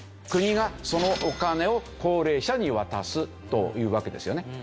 国がそのお金を高齢者に渡すというわけですよね。